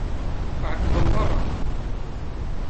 Ɛeyyḍen meṛṛa.